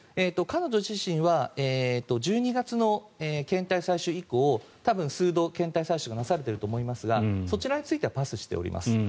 彼女自身は１２月の検体採取以降多分、数度、検体採取がなされていると思いますがそちらについてはパスしております。